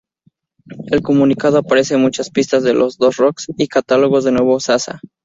El comunicado aparece muchas pistas de los dos Rock y catálogos de nuevo Zaza.